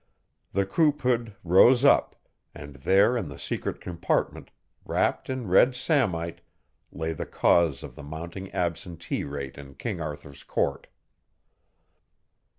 The croup hood rose up, and there in the secret compartment, wrapped in red samite, lay the cause of the mounting absentee rate in King Arthur's court.